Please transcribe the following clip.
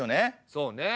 そうね。